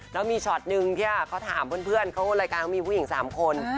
แล้วมีช็อตนึงที่เขาถามเพื่อนเขารายการเขามีผู้หญิง๓คน